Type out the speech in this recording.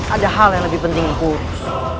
ada hal yang lebih penting yang aku urus